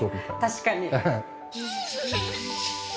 確かに。